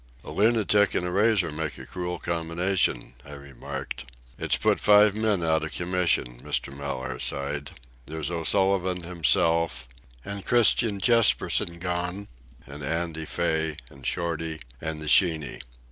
"A lunatic and a razor make a cruel combination," I remarked. "It's put five men out of commission," Mr. Mellaire sighed. "There's O'Sullivan himself, and Christian Jespersen gone, and Andy Fay, and Shorty, and the sheeny.